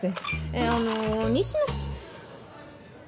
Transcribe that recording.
えっあの西野。